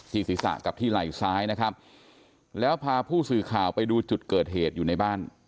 ศีรษะกับที่ไหล่ซ้ายนะครับแล้วพาผู้สื่อข่าวไปดูจุดเกิดเหตุอยู่ในบ้าน